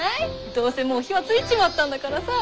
どうせもう火はついちまったんだからさ。